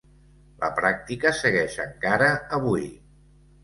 La pràctica segueix encara avui.